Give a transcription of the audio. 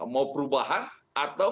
mau perubahan atau